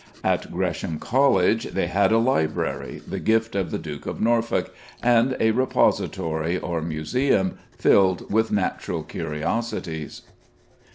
At Gresham College they had a library, the gift of the Duke of Norfolk, and a repository or museum, filled with natural curiosities.